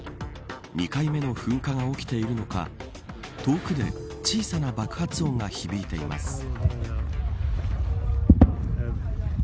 ２回目の噴火が起きているのか遠くで小さな爆発音が響いています。